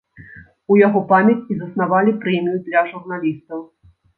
У яго памяць і заснавалі прэмію для журналістаў.